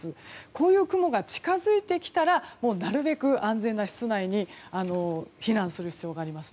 こういう雲が近づいてきたらなるべく安全な室内に避難する必要があります。